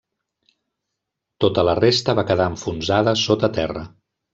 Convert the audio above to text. Tota la resta va quedar enfonsada sota terra.